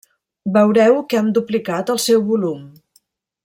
Veureu que han duplicat el seu volum.